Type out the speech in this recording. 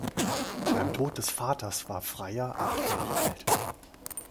Beim Tod des Vaters war Freyer acht Jahre alt.